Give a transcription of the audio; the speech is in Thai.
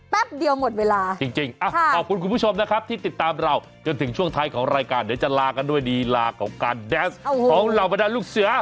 เดียวหมดเวลาจริงขอบคุณคุณผู้ชมนะครับที่ติดตามเราจนถึงช่วงท้ายของรายการเดี๋ยวจะลากันด้วยดีลาของการแดนส์ของเหล่าบรรดาลูกเสือ